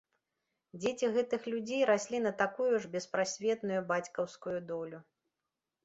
Дзеці гэтых людзей раслі на такую ж беспрасветную бацькаўскую долю.